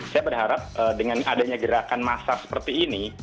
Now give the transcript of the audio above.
saya berharap dengan adanya gerakan massa seperti ini